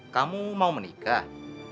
kamu mau menikah